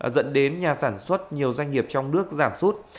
dẫn đến nhà sản xuất nhiều doanh nghiệp trong nước giảm sút